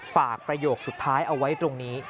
ประโยคสุดท้ายเอาไว้ตรงนี้